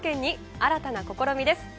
新たな試みです。